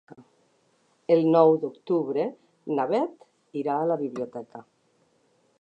El nou d'octubre na Bet irà a la biblioteca.